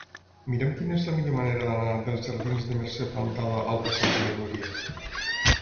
Mira'm quina és la millor manera d'anar dels jardins de Mercè Plantada al passatge de Núria.